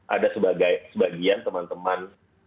ada sebagian teman teman